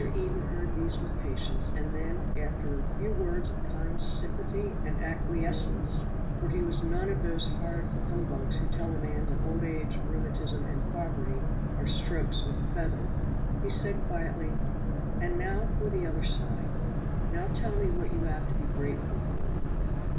Eden heard these with patience, and then, after a few words of kind sympathy and acquiescence, for he was none of those hard humbugs who tell a man that old age, rheumatism and poverty are strokes with a feather, he said quietly: "And now for the other side; now tell me what you have to be grateful for."